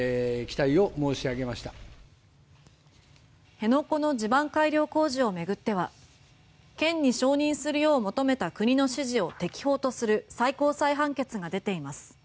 辺野古の地盤改良工事を巡っては県に承認するよう求めた国の指示を適法とする最高裁判決が出ています。